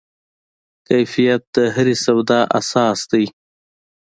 کیفیت د هرې سودا اساس دی.